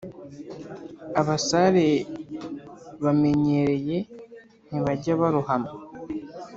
abasare bamenyereye ntibajya barohama